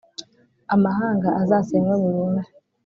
amahanga azasenywe burundu.